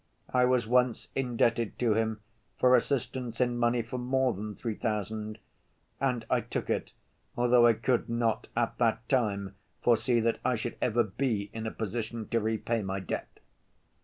"I was once indebted to him for assistance in money for more than three thousand, and I took it, although I could not at that time foresee that I should ever be in a position to repay my debt."